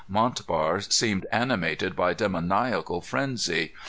Montbar seemed animated by demonaical frenzy.